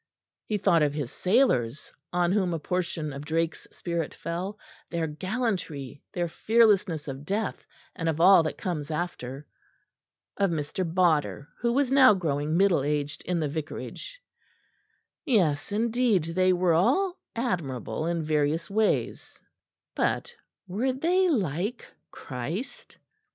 He thought of his sailors, on whom a portion of Drake's spirit fell, their gallantry, their fearlessness of death and of all that comes after; of Mr. Bodder, who was now growing middle aged in the Vicarage yes, indeed, they were all admirable in various ways, but were they like Christ?